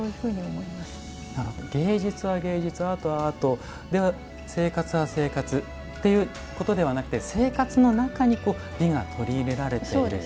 芸術は芸術アートはアートで生活は生活ということではなくて生活の中に美が取り入れられている。